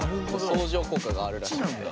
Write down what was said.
相乗効果があるらしくて。